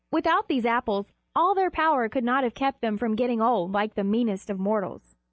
Without these Apples all their power could not have kept them from getting old like the meanest of mortals.